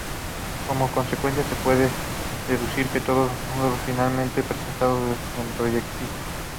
Como consecuencia, se puede deducir que todo módulo finitamente presentado es proyectivo.